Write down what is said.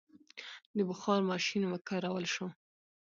د بخار ماشین وکارول شو.